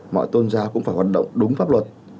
mọi tôn giáo cũng phải hoạt động đúng pháp luật